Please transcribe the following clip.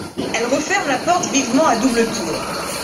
Elle referme la porte vivement à double tour.